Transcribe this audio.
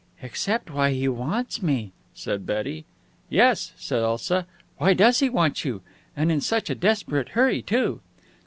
"Except why he wants me," said Betty. "Yes," said Elsa. "Why does he want you? And in such a desperate hurry, too!"